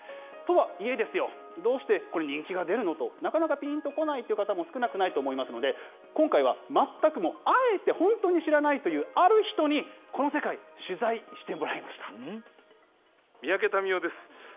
とはいえですよ、どうしてこれ、人気が出るの？と、なかなかぴんとこない方も少なくないと思いますので、今回は全くもう、あえても知らないという、この世界の人に取材してもらいま三宅民夫です。